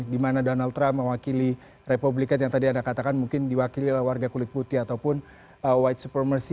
dimana donald trump mewakili republikan yang tadi anda katakan mungkin diwakili oleh warga kulit putih ataupun white supremacy